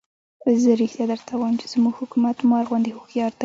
زه رښتیا درته وایم چې زموږ حکومت مار غوندې هوښیار دی.